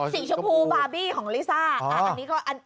สีชมพูบาร์บี้ของลิซ่า